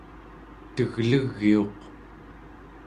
teglegiuq